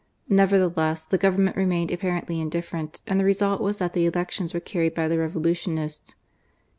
Never theless the Government remained apparently in different, and the result was that the elections were carried by the Revolutionists.